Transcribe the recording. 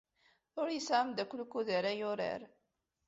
Ur yesɛi ameddakel wukud ara yurar.